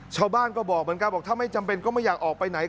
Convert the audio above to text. ชาวบ้านก็บอกเหมือนกันบอกถ้าไม่จำเป็นก็ไม่อยากออกไปไหน